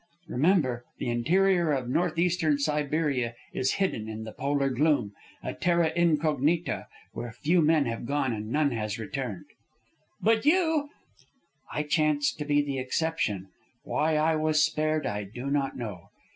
Remember, the interior of North Eastern Siberia is hidden in the polar gloom, a terra incognita, where few men have gone and none has returned." "But you " "I chance to be the exception. Why I was spared, I do not know.